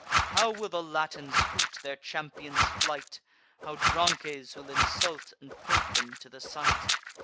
How will the Latins hoot their champion's flight! How Drances will insult and point them to the sight!